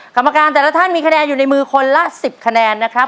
กรรมการแต่ละท่านมีคะแนนอยู่ในมือคนละ๑๐คะแนนนะครับ